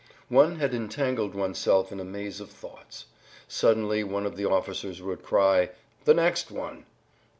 One had entangled oneself in a maze of thoughts. Suddenly one of the officers would cry, "The next one!"